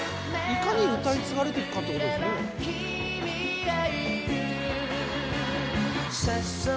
いかに歌い継がれてるかってことでしょうね。